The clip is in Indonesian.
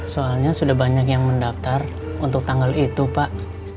soalnya sudah banyak yang mendaftar untuk tanggal itu pak